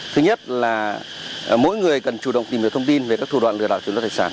thứ nhất là mỗi người cần chủ động tìm được thông tin về các thủ đoạn lừa đảo chuyển đoạn thải sản